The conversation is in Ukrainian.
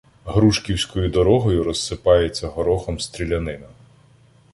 грушківською дорогою розсипається горохом стрілянина.